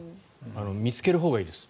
見つけるほうがいいです。